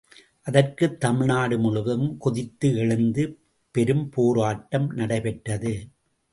அதற்குத் தமிழ்நாடு முழுதும் கொதித்து எழுந்து பெரும் போராட்டம் நடைபெற்றது.